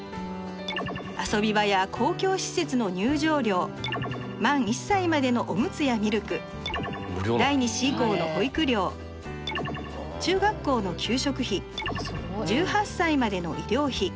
遊び場や公共施設の入場料満１歳までのおむつやミルク第２子以降の保育料中学校の給食費１８歳までの医療費